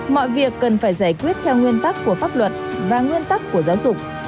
mọi việc cần phải giải quyết theo nguyên tắc của pháp luật và nguyên tắc của giáo dục